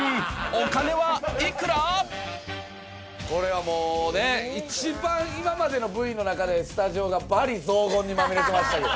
これは一番今までのＶの中でスタジオが罵詈雑言にまみれてましたけど。